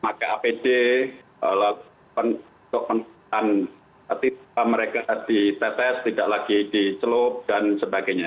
maka apj penutup penutupan tiba tiba mereka ditetes tidak lagi dicelup dan sebagainya